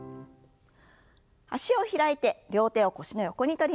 脚を開いて両手を腰の横に取りましょう。